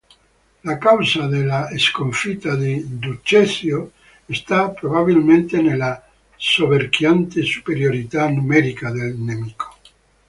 La causa della sconfitta di Ducezio sta, probabilmente, nella soverchiante superiorità numerica del nemico.